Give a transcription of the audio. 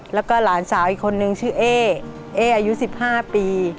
แล้วก็หลานสาวอีกคนนึงชื่อเอ๊เอ๊อายุ๑๕ปี